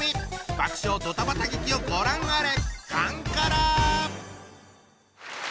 爆笑ドタバタ劇をご覧あれ！